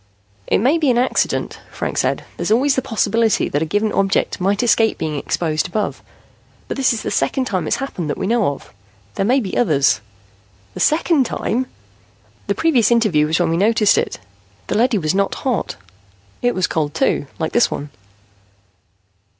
"It may be an accident," Franks said. "There's always the possibility that a given object might escape being exposed above. But this is the second time it's happened that we know of. There may be others." "The second time?" "The previous interview was when we noticed it. The leady was not hot. It was cold, too, like this one."